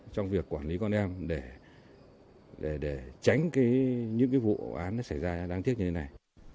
trong việc quản lý con em để tránh những vụ án xảy ra đáng tiếc như thế này